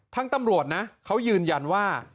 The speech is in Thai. ตำรวจนะเขายืนยันว่า